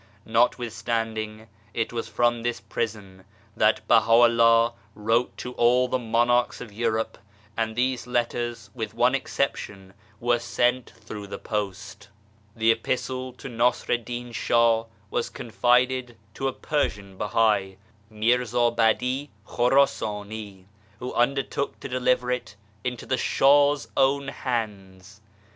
Notwith standing, it was from this prison that Baha'u'llah wrote to all the Monarchs of Europe, and these letters with one exception were sent through the post. 70 BAHA'U'LLAH The Epistle to Nassar ed din Shah was confided to a Persian Bahai, Mirza Badi Khorasani, who undertook to deliver it into the Shah's own hands.